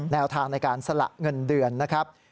แนวทางในการสละเงินเดือนนะครับ